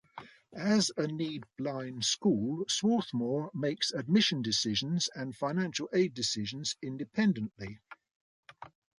As a need-blind school, Swarthmore makes admission decisions and financial aid decisions independently.